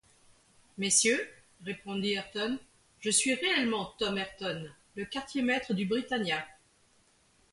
Messieurs, répondit Ayrton, je suis réellement Tom Ayrton, le quartier-maître du Britannia.